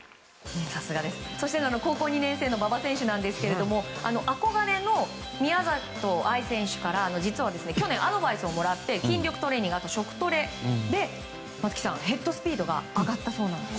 そして、高校２年生の馬場選手なんですが憧れの宮里藍選手から実は去年アドバイスをもらって筋力トレーニングあとは食トレで松木さん、ヘッドスピードが上がったそうです。